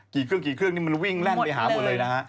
กี่เครื่องมันวิ่งแล่นไปหาหมดเลยนะฮะ